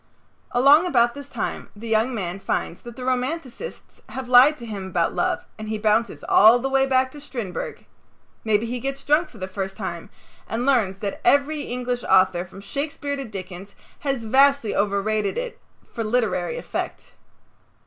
Along about this time the young man finds that the romanticists have lied to him about love and he bounces all the way back to Strindberg. Maybe he gets drunk for the first time and learns that every English author from Shakespeare to Dickens has vastly overrated it for literary effect.